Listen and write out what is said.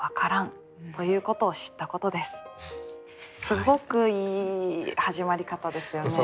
すごくいい始まり方ですよね。